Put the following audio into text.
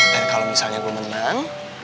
dan kalo misalnya gua menang